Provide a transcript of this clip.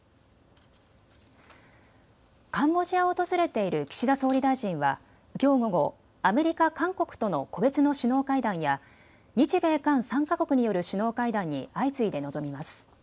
カンボジアを訪れている岸田総理大臣はきょう午後、アメリカ、韓国との個別の首脳会談や日米韓３か国による首脳会談に相次いで臨みます。